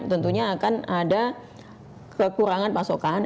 tentunya akan ada kekurangan pasokan